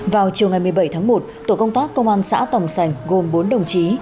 vào chiều ngày một mươi bảy tháng một tổ công tác công an xã tồng sành gồm bốn đồng chí